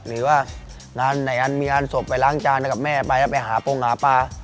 หรือว่างานไหนอันมีงานศพไปล้างจานให้กับแม่ไปแล้วไปหาโปรงหาปลา